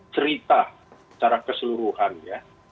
cerita secara keseluruhan ya